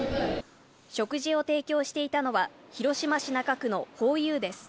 食事を提供していたのは、広島市中区のホーユーです。